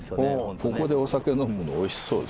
ここでお酒飲むのおいしそう。